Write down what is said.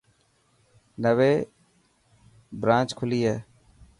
نوي برانچ کلي هي.